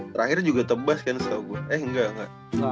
terakhirnya juga tebas kan setau gue eh enggak enggak